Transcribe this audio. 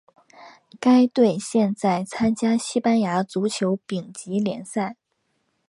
该队现在参加西班牙足球丙级联赛。